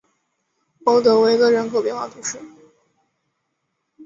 欧德维勒人口变化图示